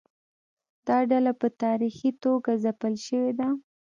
دا ډله په تاریخي توګه ځپل شوې ده.